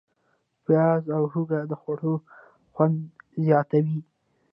پیاز او هوږه د خوړو خوند زیاتوي.